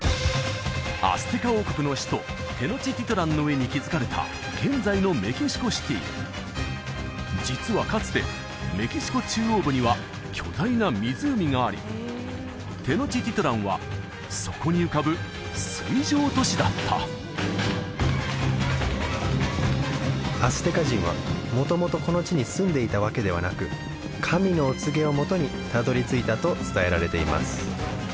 アステカ王国の首都テノチティトランの上に築かれた現在のメキシコシティ実はかつてメキシコ中央部には巨大な湖がありテノチティトランはそこに浮かぶ水上都市だったアステカ人は元々この地に住んでいたわけではなく神のお告げをもとにたどり着いたと伝えられています